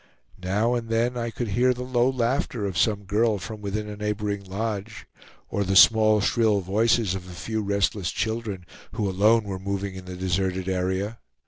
Now and then I could hear the low laughter of some girl from within a neighboring lodge, or the small shrill voices of a few restless children, who alone were moving in the deserted area.